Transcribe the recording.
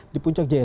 di puncak jaya